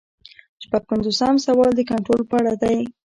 شپږ پنځوسم سوال د کنټرول په اړه دی.